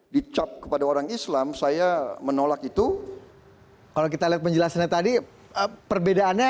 dicap kepada orang islam saya menolak itu kalau kita lihat penjelasannya tadi perbedaannya